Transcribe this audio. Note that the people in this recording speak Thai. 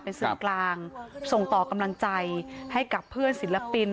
เป็นสื่อกลางส่งต่อกำลังใจให้กับเพื่อนศิลปิน